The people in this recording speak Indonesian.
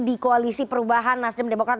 di koalisi perubahan nasdem demokrat